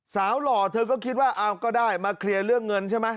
หล่อเธอก็คิดว่าเอาก็ได้มาเคลียร์เรื่องเงินใช่ไหม